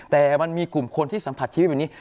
แต่มันมีกลุ่มคนที่สัมผัสชีวิตแบบนี้